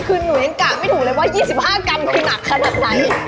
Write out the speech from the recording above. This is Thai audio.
คือหนูยังกะไม่ถูกเลยว่า๒๕กรัมคือหนักขนาดไหน